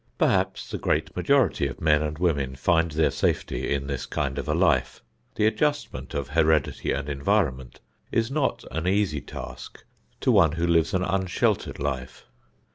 Perhaps the great majority of men and women find their safety in this kind of a life. The adjustment of heredity and environment is not an easy task to one who lives an unsheltered life.